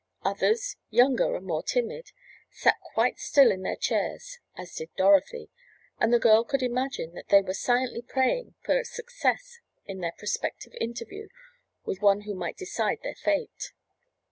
Others, younger and more timid, sat quite still in their chairs, as did Dorothy, and the girl could imagine that they were silently praying for success in the prospective interview with one who might decide their fate.